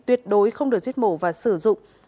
tuyệt đối không được giết mổ và sử dụng